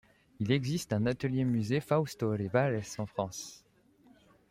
Il existe un Atelier-Musée Fausto Olivares en France.